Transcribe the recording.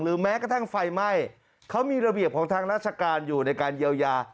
แม้กระทั่งไฟไหม้เขามีระเบียบของทางราชการอยู่ในการเยียวยา